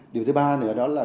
điều thứ ba nữa đó là